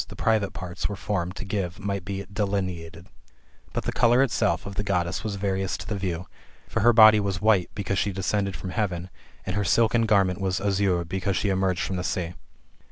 e, the private parts] were formed to give might be delineated, fiut the colour itself of the Goddess was various to the view. For her body was white, because she descended from heaven, and her silken garment was azure, because she emerged from the sea.